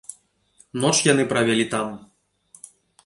Ноч яны правялі там.